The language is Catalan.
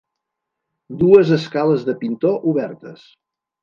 Dues escales de pintor, obertes.